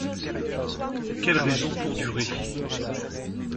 Quelle raison pour durer !